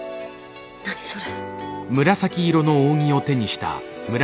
何それ？